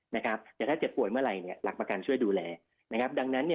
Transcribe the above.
นะครับแต่ถ้าเจ็บป่วยเมื่อไหร่เนี่ยหลักประกันช่วยดูแลนะครับดังนั้นเนี่ย